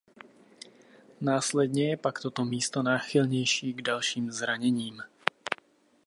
Následně je pak toto místo náchylnější k dalším zraněním.